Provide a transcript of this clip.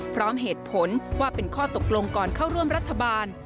พร้อมเหตุผลว่าเป็นข้อตกลงก่อนเข้าร่วมรัฐบาล